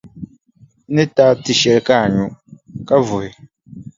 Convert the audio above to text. N ni ti a tiʼshɛli ka a nyu, ka vuhi.